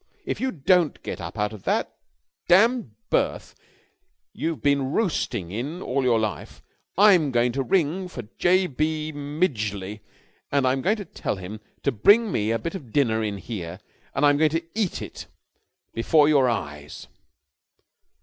If you don't get up out of that damned berth you've been roosting in all your life, I'm going to ring for J. B. Midgeley and I'm going to tell him to bring me a bit of dinner in here and I'm going to eat it before your eyes."